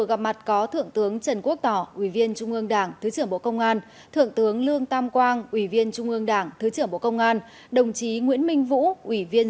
thay mặt đảng ủy công an trung ương lãnh đạo bộ công an bộ trưởng tô lâm chúc mừng các đồng chí trưởng cơ quan đại diện